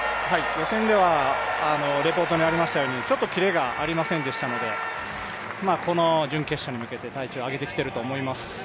予選ではレポートにありましたようにちょっとキレがありませんでしたがこの準決勝に向けて体調を上げてきていると思います。